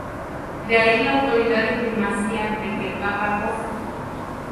De ahí la autoridad y primacía de que el Papa goza.